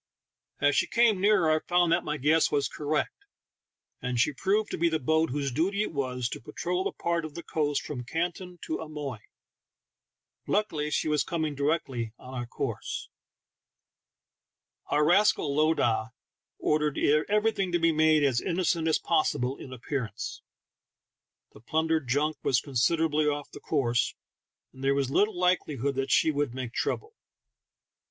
As she came nearer I found that my guess was cor rect, and she proved to be the boat whose duty it was to patrol the part of the coast from Canton to Amoy. Luckily she was coming directly on our course. Our rascal lowdah ordered everything to be made as innocent as possible in appearance ; the plundered junk was considerably off the course, and there was little likelihood that she would make trouble.